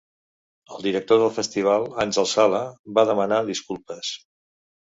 El director del festival, Àngel Sala, va demanar disculpes.